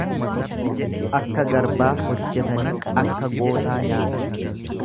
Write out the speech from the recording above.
Akka garbaa hojjetanii akka gootaa nyaatan.